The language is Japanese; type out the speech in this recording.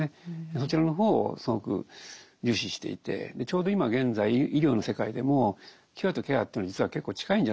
そちらの方をすごく重視していてちょうど今現在医療の世界でもキュアとケアってのは実は結構近いんじゃないかと。